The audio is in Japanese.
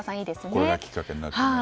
これがきっけになってね。